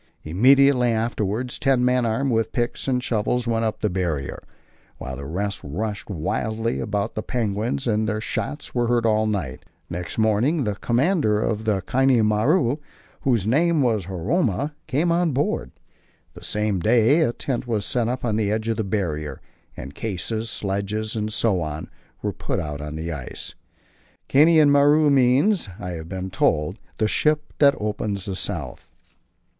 Immediately afterwards ten men armed with picks and shovels went up the Barrier, while the rest rushed wildly about after penguins, and their shots were heard all night. Next morning the commander of the Kainan Maru, whose name was Homura, came on board. The same day a tent was set up on the edge of the Barrier, and cases, sledges, and so on, were put out on the ice. Kainan Maru means, I have been told, "the ship that opens the South."